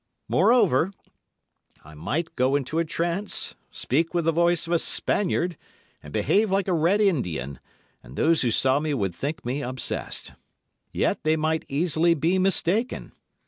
Moreover, I might go into a trance, speak with the voice of a Spaniard, and behave like a Red Indian, and those who saw me would think me obsessed. Yet they might easily be mistaken.